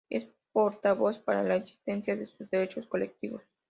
Es porta voz para la exigencia de sus derechos colectivos.